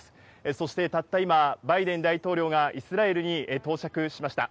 そしてたった今、バイデン大統領がイスラエルに到着しました。